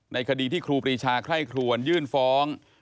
คดีที่ครูปรีชาไคร่ครวนยื่นฟ้อง